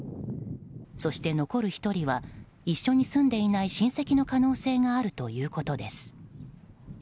そして残る１人は一緒に住んでいない親戚の可能性があるということです。